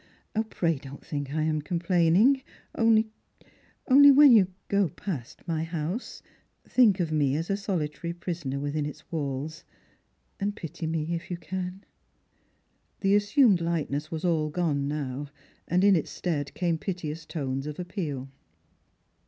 Pray don't think that I am complaining, only — only, when you go past my house, think of me as a solitary pi isoner within its walls, and pity me if you can." The assumed lightness was all gone now, and in its stead came piteous tones of appeal.